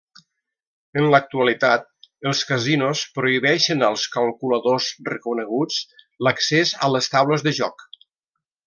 En l'actualitat els casinos prohibeixen als calculadors reconeguts l'accés a les taules de joc.